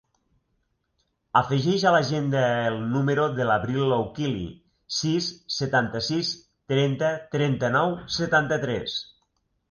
Afegeix a l'agenda el número de l'Abril Loukili: sis, setanta-sis, trenta, trenta-nou, setanta-tres.